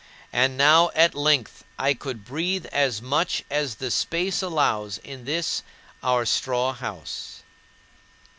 And now at length I could breathe as much as the space allows in this our straw house.